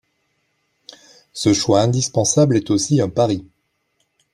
Ce choix indispensable est aussi un pari.